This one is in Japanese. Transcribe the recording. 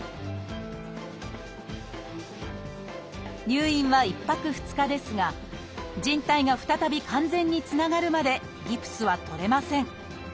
入院は１泊２日ですが靭帯が再び完全につながるまでギプスは取れません。